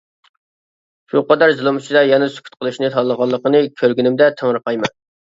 شۇ قەدەر زۇلۇم ئىچىدە يەنە سۈكۈت قىلىشنى تاللىغانلىقىنى كۆرگىنىمدە تېڭىرقايمەن.